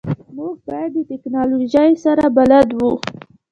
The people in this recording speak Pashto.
موږ باید د تکنالوژی سره بلد وو